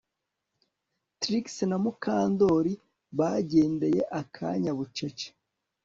Trix na Mukandoli bagendeye akanya bucece